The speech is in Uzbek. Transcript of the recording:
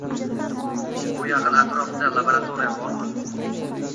Bu yaqin atrofda laborotoriya bormi?